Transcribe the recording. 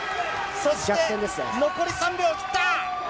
そして残り３秒を切った。